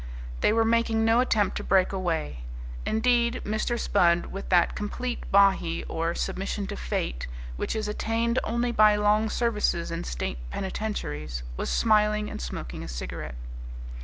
They were making no attempt to break away. Indeed, Mr. Spudd, with that complete Bahee, or Submission to Fate, which is attained only by long services in state penitentiaries, was smiling and smoking a cigarette.